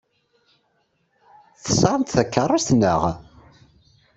Tesɣam-d takeṛṛust, naɣ?